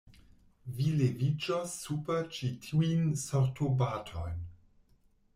Vi leviĝos super ĉi tiujn sortobatojn.